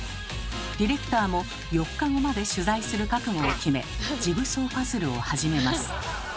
ディレクターも４日後まで取材する覚悟を決めジグソーパズルを始めます。